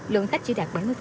lượng khách chỉ đạt bảy mươi